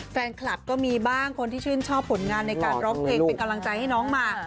แฟนคลับก็มีบ้างคนที่ชื่นชอบผลงานในการร้องเพลงเป็นกำลังใจให้น้องมา